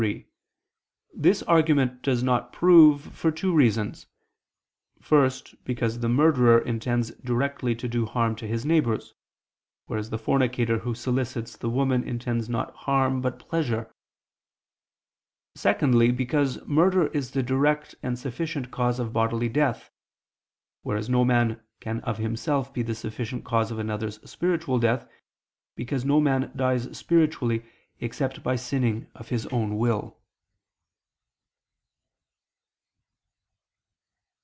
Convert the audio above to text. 3: This argument does not prove, for two reasons: first, because the murderer intends directly to do harm to his neighbors; whereas the fornicator who solicits the woman intends not harm but pleasure; secondly, because murder is the direct and sufficient cause of bodily death; whereas no man can of himself be the sufficient cause of another's spiritual death, because no man dies spiritually except by sinning of his own will.